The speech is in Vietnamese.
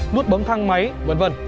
nút bấm thang máy v v